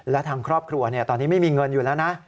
และทางครอบครัวตอนนี้ไม่มีเงินอยู่แล้วนะ